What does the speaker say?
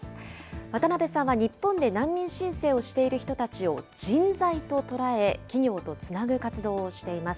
渡部さんは日本で難民申請をしている人たちを人材と捉え、企業とつなぐ活動をしています。